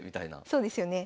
そうですよね。